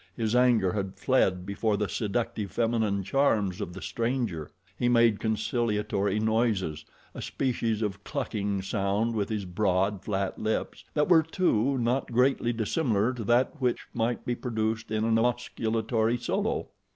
His anger had fled before the seductive feminine charms of the stranger. He made conciliatory noises a species of clucking sound with his broad, flat lips that were, too, not greatly dissimilar to that which might be produced in an osculatory solo.